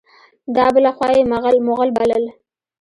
دا بله خوا یې مغل بلل.